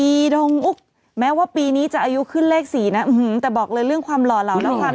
ดงอุ๊กแม้ว่าปีนี้จะอายุขึ้นเลข๔นะแต่บอกเลยเรื่องความหล่อเหล่าแล้วกัน